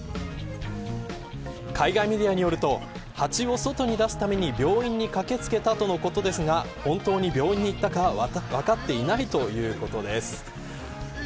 海外メディアによるとハチを外に出すために病院に駆け付けたとのことですが本当に病院に行ったかは分かっていないということです。